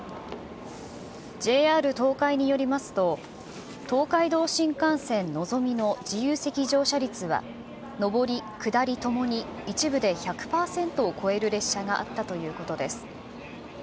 ＪＲ東海によりますと、東海道新幹線のぞみの自由席乗車率は、上り下りともに、一部で１００％を超える列車があったということです。